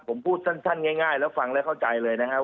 ผมพูดสั้นง่ายแล้วฟังแล้วเข้าใจเลยนะครับ